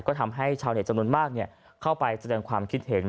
ก็ทำให้ชาวเน็ตจำนวนมากเข้าไปแสดงความคิดเห็น